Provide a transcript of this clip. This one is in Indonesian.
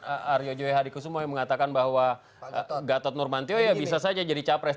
aryo joy hadikusumo yang mengatakan bahwa gatot nurmantio ya bisa saja jadi capres